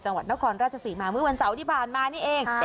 จังหวัดนครราชศรีมาเมื่อวันเสาร์ที่ผ่านมานี่เอง